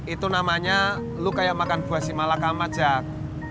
itu namanya lu kayak makan buah si malakamat yak